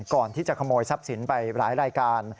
ก่อนที่จะขโมยทรัพย์สินไปหลายรายการ